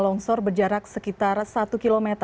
longsor berjarak sekitar satu km